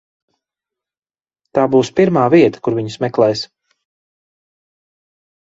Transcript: Tā būs pirmā vieta, kur viņus meklēs.